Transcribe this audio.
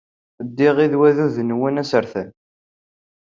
Ddiɣ ed waddud-nwen asertan.